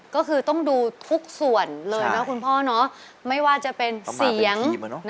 ก็คือต้องดูทุกส่วนเลยนะคุณพ่อเนาะไม่ว่าจะเป็นเสียง